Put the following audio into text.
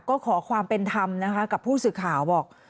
ก็ขอความเป็นธรรมนะคะกับผู้สื่อข่าวบอก